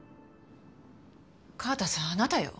川田さんあなたよ。